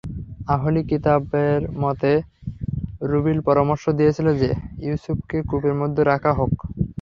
আহলি কিতাবদের মতে, রুবীল পরামর্শ দিয়েছিল যে, ইউসুফকে কূপের মধ্যে রাখা হোক।